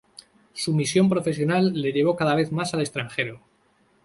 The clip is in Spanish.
Su misión profesional le llevó cada vez más al extranjero.